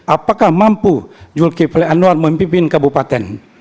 apakah mampu jul kipli anwar memimpin kabupaten